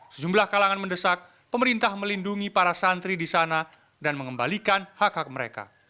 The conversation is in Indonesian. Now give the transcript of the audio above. sejumlah kalangan mendesak pemerintah melindungi para santri di sana dan mengembalikan hak hak mereka